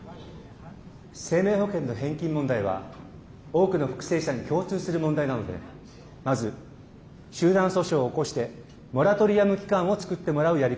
生命保険の返金問題は多くの復生者に共通する問題なのでまず集団訴訟を起こしてモラトリアム期間を作ってもらうやり方があります。